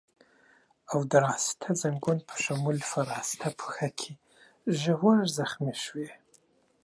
او د راسته ځنګون په شمول په راسته پښه کې ژور زخمي شوی.